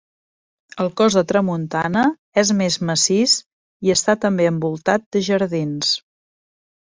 El cos de tramuntana és més massís i està també envoltat de jardins.